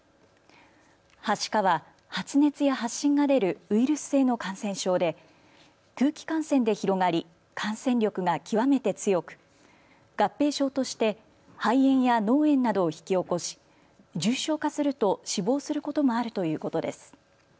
はしかは発熱や発疹が出るウイルス性の感染症で空気感染で広がり感染力が極めて強く合併症として肺炎や脳炎などを引き起こし重症化すると死亡することもあるということです。